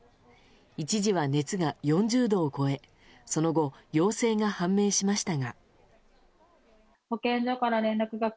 一時は熱が４０度を超えその後、陽性が判明しましたが。